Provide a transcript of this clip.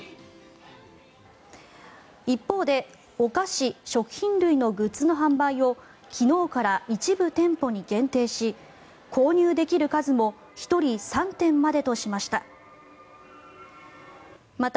一方でお菓子・食品類のグッズの販売を昨日から一部店舗に限定し購入できる数も１人３点までとしました。